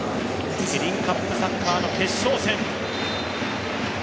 キリンカップサッカーの決勝戦。